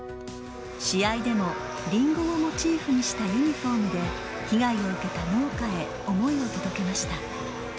試合でもリンゴをモチーフにしたユニホームで、被害を受けた農家へ思いを届けました。